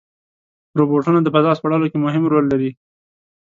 روبوټونه د فضا سپړلو کې مهم رول لري.